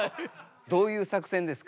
どういう作戦ですか？